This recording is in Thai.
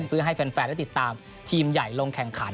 เพื่อให้แฟนได้ติดตามทีมใหญ่ลงแข่งขัน